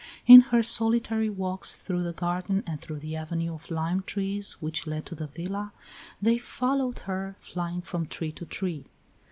In her solitary walks through the garden and through the avenue of lime trees which led to the villa, they followed her, flying from tree to tree.